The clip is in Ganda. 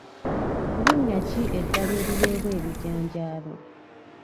Linnya ki eddala eriweebwa ebijanjaalo?